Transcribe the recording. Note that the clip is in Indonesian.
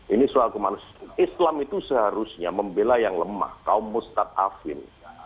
ini soal kemanusiaan islam itu seharusnya membela yang lemah kaum mustad afin